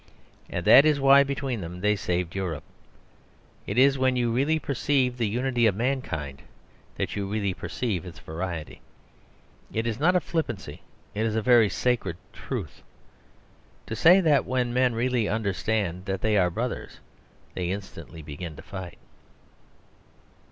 And that is why, between them, they saved Europe. It is when you really perceive the unity of mankind that you really perceive its variety. It is not a flippancy, it is a very sacred truth, to say that when men really understand that they are brothers they instantly begin to fight.